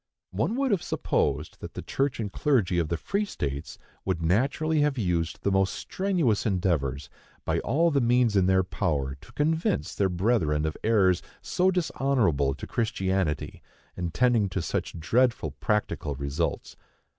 One would have supposed that the church and clergy of the free states would naturally have used the most strenuous endeavors, by all the means in their power, to convince their brethren of errors so dishonorable to Christianity, and tending to such dreadful practical results.